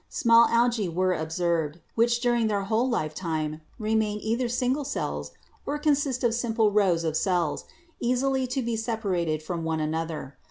Small algae were observed, which during their whole lifetime remain either single cells, or consist of simple rows of cells, easily to be separated from one another.